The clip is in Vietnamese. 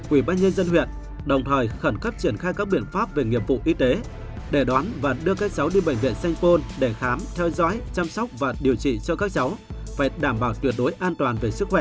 ubnd huyện đồng thời khẩn cấp triển khai các biện pháp về nghiệp vụ y tế để đoán và đưa các cháu đi bệnh viện sanh côn để khám theo dõi chăm sóc và điều trị cho các cháu phải đảm bảo tuyệt đối an toàn về sức khỏe